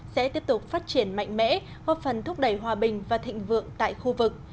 sẽ tiếp tục phát triển mạnh mẽ góp phần thúc đẩy hòa bình và thịnh vượng tại khu vực